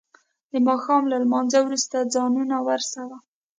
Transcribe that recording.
د ما ښام له لما نځه وروسته ځانونه ورسو.